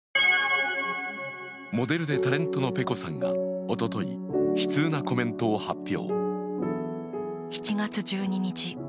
モデルでタレントのｐｅｃｏさんがおととい、悲痛なコメントを発表。